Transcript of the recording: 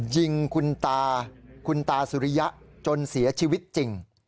ยิงคุณตาซุริยะจนเสียชีวิตจริง